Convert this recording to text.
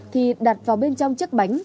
thì đặt vào bên trong chiếc bánh